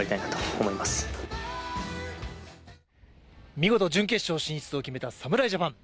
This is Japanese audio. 見事準決勝進出を決めた侍ジャパン。